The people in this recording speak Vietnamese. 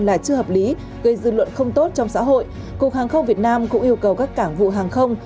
là chưa hợp lý gây dư luận không tốt trong xã hội cục hàng không việt nam cũng yêu cầu các cảng vụ hàng không